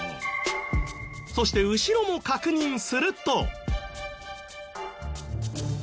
そして後ろも確認すると。